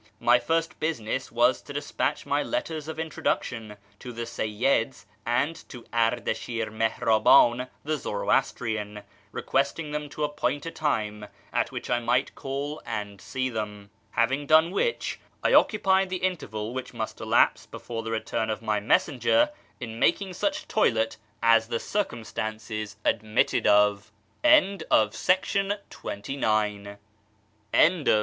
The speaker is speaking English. My first business was to despatch my letters of introduction to the Seyyids and to Ardasln'r Mihraban the Zoroastrian, requesting them to appoint a time at which I might call and see them ; having done which, I occupied the interval which must elapse before the return of my messenger in maldng such toilette as the circumstances admitted of.